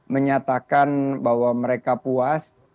menyatakan bahwa mereka puas